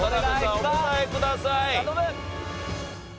お答えください。